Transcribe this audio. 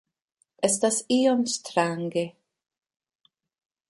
Estas iom strange